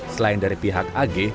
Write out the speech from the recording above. selain dari pihak ag